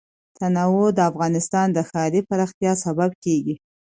تنوع د افغانستان د ښاري پراختیا سبب کېږي.